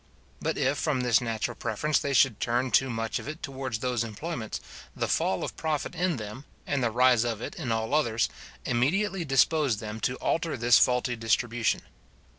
But if from this natural preference they should turn too much of it towards those employments, the fall of profit in them, and the rise of it in all others, immediately dispose them to alter this faulty distribution.